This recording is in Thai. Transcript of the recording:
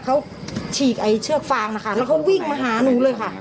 เขาฉีกไอ้เชือกฟางนะคะแล้วเขาวิ่งมาหาหนูเลยค่ะ